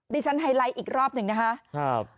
ดิฉันไฮไลท์อีกรอบหนึ่งนะครับ